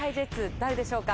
誰でしょうか？